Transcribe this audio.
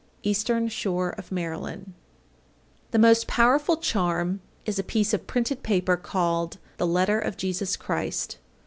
Eastern Shore of Maryland. 835. The most powerful charm is a piece of printed paper called "the letter of Jesus Christ."